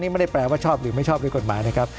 ไม่ได้แปลว่าชอบหรือไม่ชอบด้วยกฎหมายนะครับ